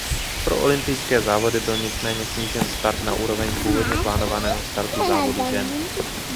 Pro olympijské závody byl nicméně snížen start na úroveň původně plánovaného startu závodů žen.